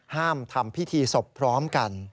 ห้ามทำพิธีศพพร้อมกัน